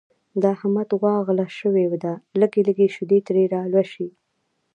د احمد غوا غله شوې ده لږې لږې شیدې ترې را لوشي.